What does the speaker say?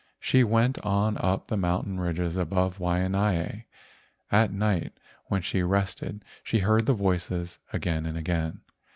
She went on up the mountain ridges above Waianae. At night when she rested she heard the voices again and again.